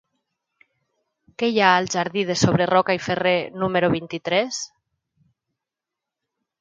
Què hi ha al jardí de Sobreroca i Ferrer número vint-i-tres?